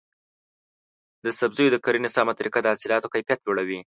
د سبزیو د کرنې سمه طریقه د حاصلاتو کیفیت لوړوي.